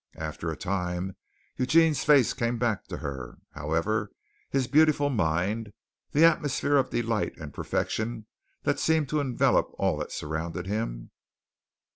After a time, Eugene's face came back to her, however, his beautiful mind, the atmosphere of delight and perfection that seemed to envelop all that surrounded him.